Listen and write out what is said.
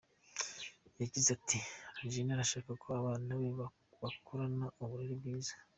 Yagize ati :« Angelina arashaka ko abana be bakurana uburere bwiza.